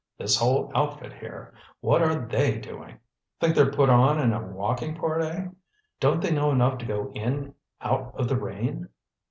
This whole outfit here what are they doing? Think they're put on in a walking part, eh? Don't they know enough to go in out of the rain?"